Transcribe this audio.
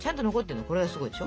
これがすごいでしょ？